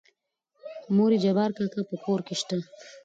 مورې جبار کاکا په کور کې شته؟